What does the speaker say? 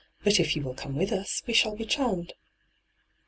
But if you will come with us we shall be charmed.'